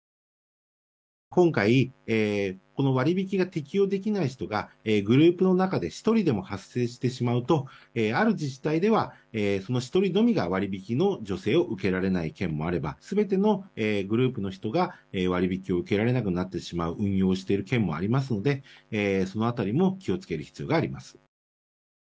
今回割引が適用できない人がグループの中で１人でも発生してしまうとある自治体ではその１人のみが割引の助成を受けられない県もあれば全てのグループの人が割引を受けられなくなってしまう運用をしている県もありますのでその辺りも気を付ける必要があります。